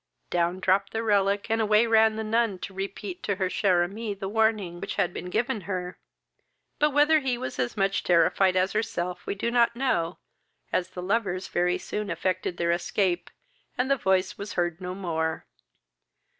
Down dropped the relic, and away ran the nun to repeat to her cher ami the warning which had been given her; but, whether he was as much terrified as herself we do not know, as the lovers very soon effected their escape, and the voice was heard no more.